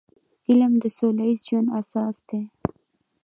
علم د سوله ییز ژوند اساس دی.